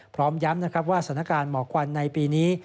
พร้อมย้ำนะครับว่าสถานการณ์หมอกควันในปีนี้